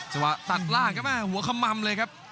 ไฟเตอร์ถัดลากกับมาหัวเขมมเลยครับ